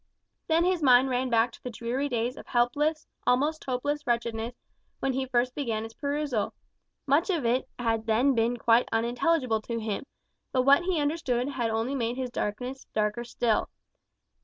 Then his mind ran back to the dreary days of helpless, almost hopeless wretchedness, when he first began its perusal. Much of it had then been quite unintelligible to him; but what he understood had only made his darkness darker still.